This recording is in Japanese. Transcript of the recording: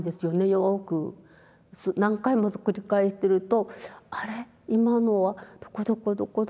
よく何回も繰り返してるとあれ今のはどこどこどこどこって言った。